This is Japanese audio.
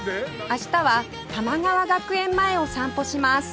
明日は玉川学園前を散歩します